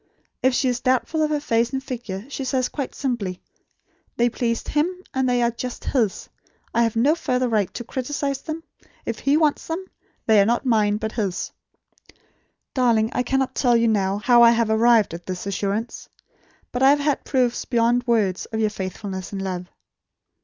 If she is doubtful of her face and figure, she says quite simply: 'They pleased HIM; and they are just HIS. I have no further right to criticise them. If he wants them, they are not mine, but his.' Darling, I cannot tell you now, how I have arrived at this assurance. But I have had proofs beyond words of your faithfulness and love."